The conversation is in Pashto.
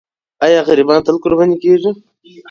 آیا غریبان تل قرباني کېږي؟